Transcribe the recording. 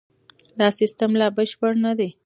دا سیستم لا بشپړ نه دی.